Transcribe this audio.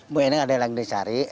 mungkin ada yang lagi dicari